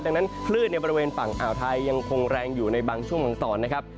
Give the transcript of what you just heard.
ดังนั้นคลื่นในบริเวณฝั่งอ่าวไทยยังคงแรงอยู่ในบางช่วงบางตอนนะครับ